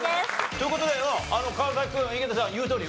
という事で川君井桁さん言うとおり。